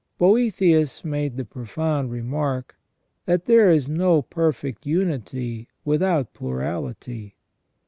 Boetius made the profound remark, that there is no perfect unity without plurality.